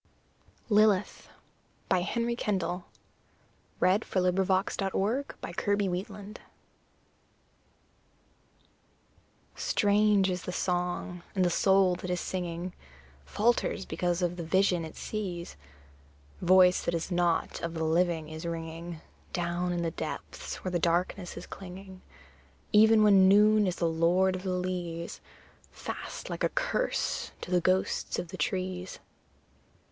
the blessing of mother and wife On the bird he has put in a song. Lilith Strange is the song, and the soul that is singing Falters because of the vision it sees; Voice that is not of the living is ringing Down in the depths where the darkness is clinging, Even when Noon is the lord of the leas, Fast, like a curse, to the ghosts of the trees!